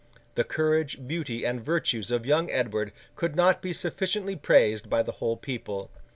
The courage, beauty, and virtues of young Edward could not be sufficiently praised by the whole people.